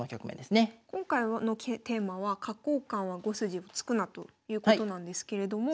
今回のテーマは角交換は５筋を突くなということなんですけれども。